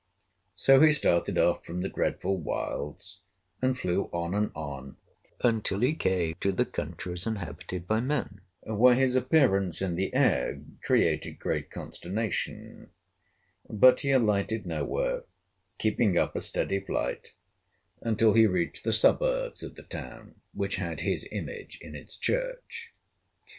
So he started off from the dreadful wilds, and flew on and on until he came to the countries inhabited by men, where his appearance in the air created great consternation; but he alighted nowhere, keeping up a steady flight until he reached the suburbs of the town which had his image on its church.